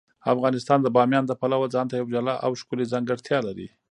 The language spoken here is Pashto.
افغانستان د بامیان د پلوه ځانته یوه جلا او ښکلې ځانګړتیا لري.